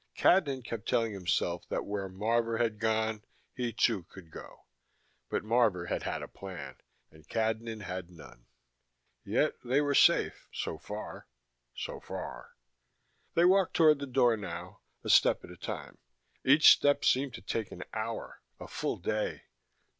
Cadnan kept telling himself that where Marvor had gone he, too, could go. But Marvor had had a plan, and Cadnan had none. Yet they were safe so far, so far. They walked toward the door now, a step at a time. Each step seemed to take an hour, a full day.